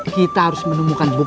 kita harus menemukan buku yang benar